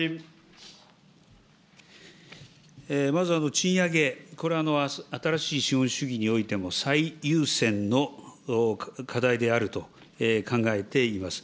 まず、賃上げ、これは新しい資本主義においても、最優先の課題であると考えています。